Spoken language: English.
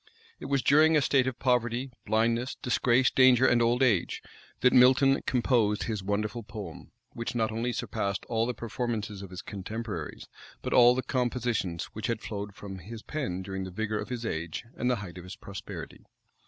It was during a state of poverty, blindness, disgrace, danger, and old age, that Milton composed his wonderful poem, which not only surpassed all the performances of his contemporaries, but all the compositions which had flowed from his pen during the vigor of his age and the height of his prosperity.